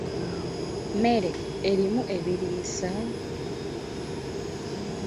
Mmere erimu ebiriisa?